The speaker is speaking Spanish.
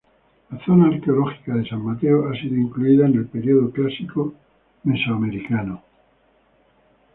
La zona arqueológica de San Mateo ha sido incluida en el periodo clásico mesoamericano.